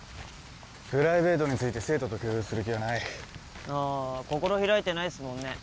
プライベートについて生徒と共有する気はないあ心開いてないっすもんね